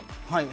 はい。